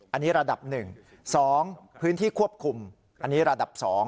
อันนี้ระดับ๑๒พื้นที่ควบคุมอันนี้ระดับ๒